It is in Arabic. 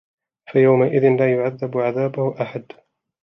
فيومئذ لا يعذب عذابه أحد